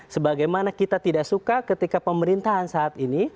sebagaimana kita tidak suka ketika pemerintahan saat ini